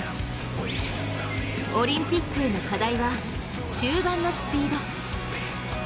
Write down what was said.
オリンピックへの課題は終盤のスピード。